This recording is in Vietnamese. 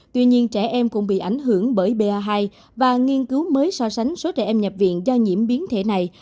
tuy nhiên trẻ em cũng bị ảnh hưởng bởi ba hai và nghiên cứu mới so sánh số trẻ em nhập viện do nhiễm biến thể này